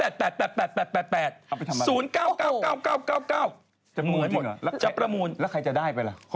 จะประมูลจริงเหรอแล้วใครจะได้ไปเหรอ